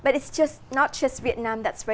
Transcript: trong việt nam